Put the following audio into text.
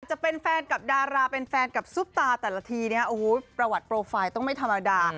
จะเป็นแฟนกับดาราเป็นแฟนกับซุปตาแต่ละทีเนี่ยโอ้โหประวัติโปรไฟล์ต้องไม่ธรรมดา